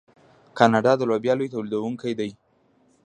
کاناډا د لوبیا لوی تولیدونکی دی.